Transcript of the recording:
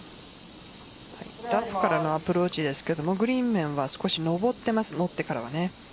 ラフからのアプローチですけどグリーン面は少し上っています。